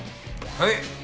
はい。